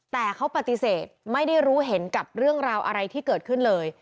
แต่เขาปฏิเสธไม่ได้รู้เห็นกับเรื่องราวอะไรที่เกิดขึ้นเลย